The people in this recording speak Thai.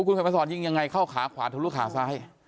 คุณเข็มมาสอนยิงยังไงเข้าขาขวาทะลุขาซ้าย